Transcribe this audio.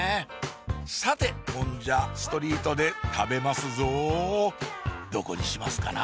さてもんじゃストリートで食べますぞどこにしますかな？